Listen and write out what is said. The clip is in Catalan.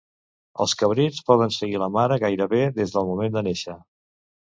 Els cabrits poden seguir la mare gairebé des del moment de néixer.